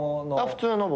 普通の僕。